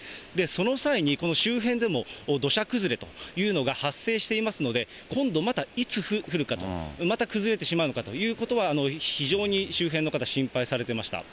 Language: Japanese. その際に、この周辺でも土砂崩れというのが発生していますので、今度またいつ降るかと、また崩れてしまうのかということは、非常に周辺の方、心配されてました。